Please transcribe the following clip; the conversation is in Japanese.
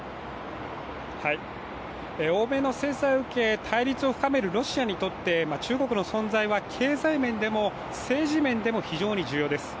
欧米の制裁を受け、対立を深めるロシアにとって中国の存在は経済面でも政治面でも非常に重要です。